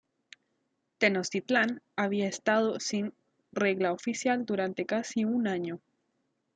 Tenochtitlan había estado sin regla oficial durante casi un año.